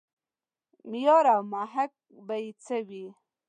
معیار او محک به یې څه وي.